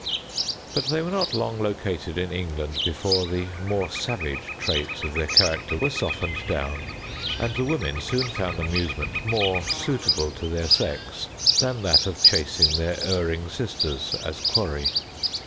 But they were not long located in England before the more savage traits of their character were softened down, and the women soon found amusement more suitable to their sex than that of chasing their erring sisters as quarry.